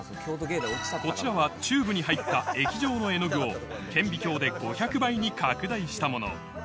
こちらはチューブに入った液状の絵の具を顕微鏡で５００倍に拡大したもの